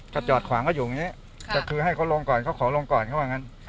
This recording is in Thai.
ก็จอดขวางเขาอยู่อย่างนี้ก็คือให้เขาลงก่อนเขาขอลงก่อนเขาว่างั้น